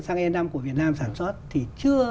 sang e năm của việt nam sản xuất thì chưa